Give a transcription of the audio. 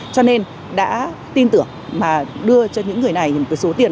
cho nên đã tin tưởng và đưa cho những người này một số tiền